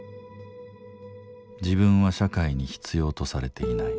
自分は社会に必要とされていない。